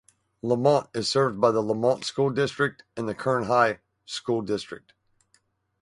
Lamont is served by the Lamont School District and the Kern High school district.